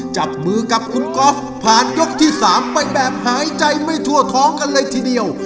จับมือกับคุณก๊อฟผ่านยกที่๓ไปแบบหายใจไม่ทั่วท้องกันเลยทีเดียว